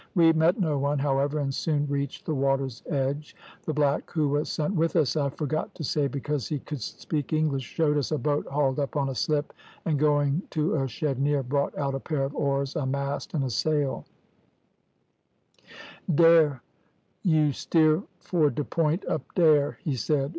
We met no one, however, and soon reached the water's edge. The black who was sent with us, I forgot to say because he could speak English, showed us a boat hauled up on a slip, and, going to a shed near, brought out a pair of oars, a mast and sail. "`Dare; you steer for de point up dare,' he said.